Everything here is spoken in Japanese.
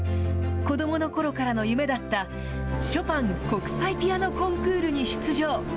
子どものころからの夢だった、ショパン国際ピアノコンクールに出場。